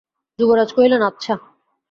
যুবরাজ কহিলেন, আচ্ছা।